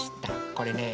これね